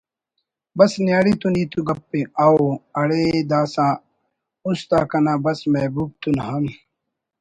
بس نیاڑی تون ہیت گپءِ…… اؤ…… اڑے داسہ است آ کنا بس محبوب تون ہم